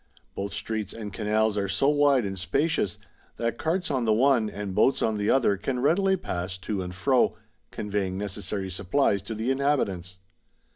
Both streets and canals are so wide and spacious that carts on the one and boats on the other can readily pass to and fro, conveying necessary supplies to the inhabitants.